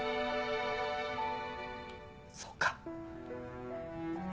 そうか。